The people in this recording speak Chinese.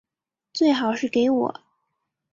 最好是给我